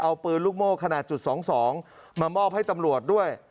เอาปืนลูกโม่ขนาดจุด๒๒มามอบให้ตำรวจด้วย